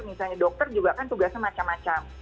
misalnya dokter juga kan tugasnya macam macam